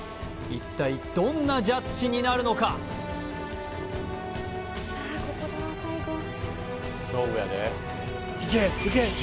一体どんなジャッジになるのか・ああ